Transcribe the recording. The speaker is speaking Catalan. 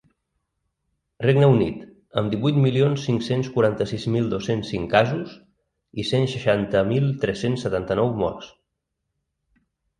Regne Unit, amb divuit milions cinc-cents quaranta-sis mil dos-cents cinc casos i cent seixanta mil tres-cents setanta-nou morts.